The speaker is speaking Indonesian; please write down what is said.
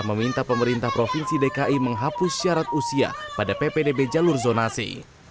meminta pemerintah provinsi dki menghapus syarat usia pada ppdb jalur zonasi